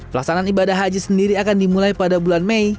pelaksanaan ibadah haji sendiri akan dimulai pada bulan mei